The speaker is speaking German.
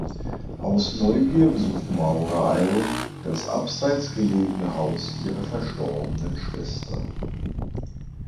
Aus Neugier besucht Maura Isles das abseits gelegene Haus ihrer verstorbenen Schwester.